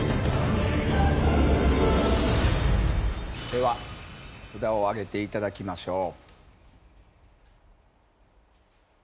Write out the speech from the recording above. では札を上げていただきましょう。